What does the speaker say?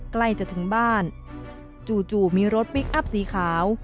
ใกล้จะถึงบ้านจู่มีรถพลิกอัพสีขาว